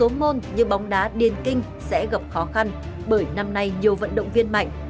dự là một số môn như bóng đá điền kinh sẽ gặp khó khăn bởi năm nay nhiều vận động viên mạnh